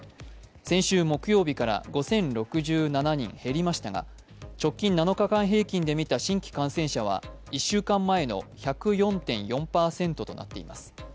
先週木曜日から５０６７人減りましたが直近７日間平均で見た新規感染者は１週間前の１０４．４％となっています。